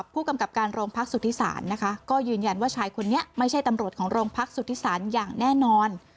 ผู้กำกับการโรงพักสุธิศาลนะคะก็ยืนยันว่าชายคนนี้ไม่ใช่ตำรวจของโรงพักสุธิศาลอย่างแน่นอน